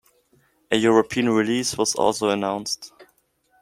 A European release was also announced.